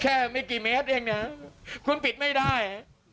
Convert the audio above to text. แค่กี่เมตรเองคุณปิดไม่ได้